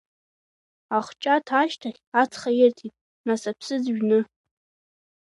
Ахҷаҭ ашьҭахь ацха ирҭеит, нас аԥсыӡ жәны.